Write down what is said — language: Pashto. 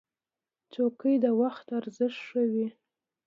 چوکۍ د وخت ارزښت ښووي.